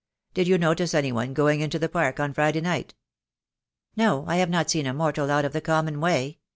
Did you notice any one going into the park on Friday night?" "No, I have not seen a mortal out of the common way.